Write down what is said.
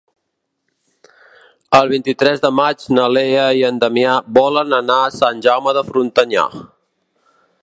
El vint-i-tres de maig na Lea i en Damià volen anar a Sant Jaume de Frontanyà.